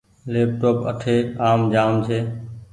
ليپ ٽوپ اٺي آم جآ م ڇي۔